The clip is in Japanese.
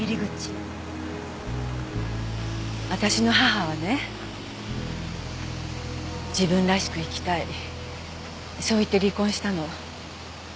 私の母はね「自分らしく生きたい」そう言って離婚したの。